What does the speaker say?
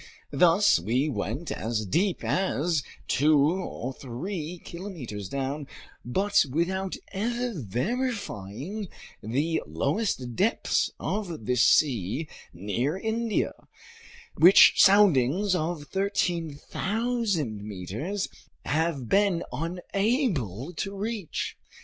Thus we went as deep as two or three kilometers down but without ever verifying the lowest depths of this sea near India, which soundings of 13,000 meters have been unable to reach.